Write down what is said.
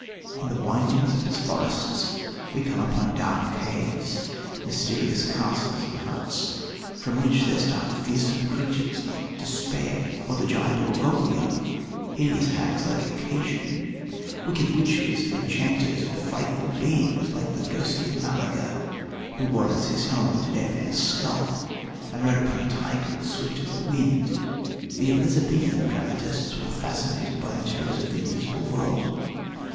In the windings of its forests we come upon dark caves, mysterious castles and huts, from which there start fearsome creatures like Despair or the giant Orgoglio, hideous hags like Occasion, wicked witches and enchanters or frightful beings like the ghostly Maleger, who wore as his helmet a dead man's skull and rode upon a tiger swift as the wind. The Elizabethan dramatists were fascinated by the terrors of the invisible world.